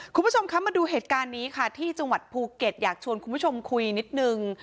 คุณผู้ชมคะมาดูเหตุการณ์นี้ค่ะที่จังหวัดภูเก็ตอยากชวนคุณผู้ชมคุยนิดนึง